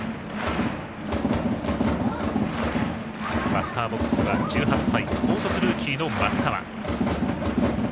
バッターボックスは１８歳、高卒ルーキーの松川。